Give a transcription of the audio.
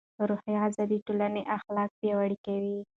روحي غذا د ټولنې اخلاق پیاوړي کوي.